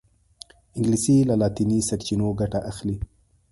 انګلیسي له لاطیني سرچینو ګټه اخلي